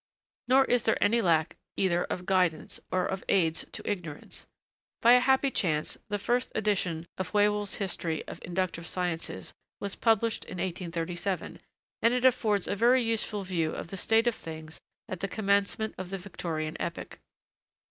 Nor is their any lack either of guidance, or of aids to ignorance. By a happy chance, the first edition of Whewell's 'History of the Inductive Sciences' was published in 1837, and it affords a very useful view of the state of things at the commencement of the Victorian epoch.